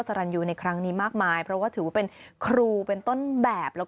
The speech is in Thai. สรรยูในครั้งนี้มากมายเพราะว่าถือว่าเป็นครูเป็นต้นแบบแล้วก็